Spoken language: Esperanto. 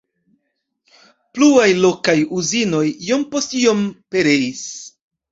Pluaj lokaj uzinoj iom post iom pereis.